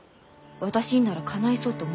私にならかないそうと思った？